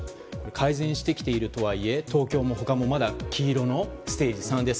改善してきているとはいえ東京も他も、まだステージ３です。